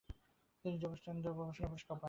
তিনি যোগেশ্চন্দ্র গবেষণা পুরস্কার পান।